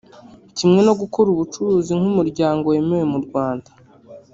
kimwe no gukora ubucuruzi nk’umuryango wemewe mu Rwanda